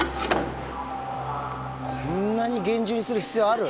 こんなに厳重にする必要ある？